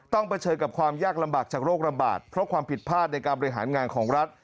เผชิญกับความยากลำบากจากโรคระบาดเพราะความผิดพลาดในการบริหารงานของรัฐ